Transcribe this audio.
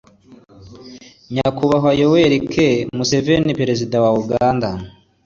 Nyakubahwa yoweli k museveni perezida wa uganda